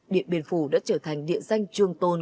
điện biên phủ đã trở thành địa danh trường tôn